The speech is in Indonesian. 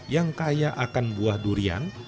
yang kaya akan buah durian